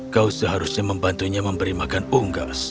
kau seharusnya membantunya memberi makan unggas